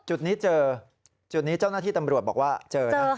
จุดนี้เจอจุดนี้เจ้าหน้าที่ตำรวจบอกว่าเจอนะ